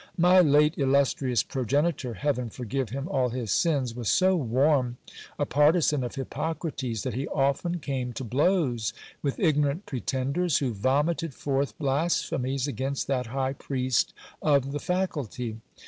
My late illustrious progenitor, heaven forgive him all his sins ! was so warm a partisan of Hippocrates, that he often came to blows with ignorant pretenders, who vomited forth blasphemies against that high priest of the faculty.